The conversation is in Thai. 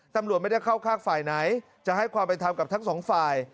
ตำรวจไม่ได้เข้าข้างฝ่ายไหนจะให้ความเป็นธรรมกับทั้งสองฝ่าย